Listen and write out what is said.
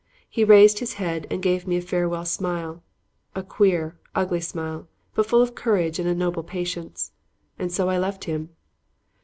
He raised his head and gave me a farewell smile; a queer, ugly smile, but full of courage and a noble patience. And so I left him.